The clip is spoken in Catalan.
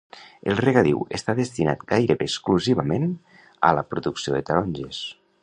El regadiu està destinat gairebé exclusivament a la producció de taronges.